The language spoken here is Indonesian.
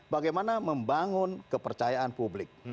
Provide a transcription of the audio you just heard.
bagaimana membangun kepercayaan publik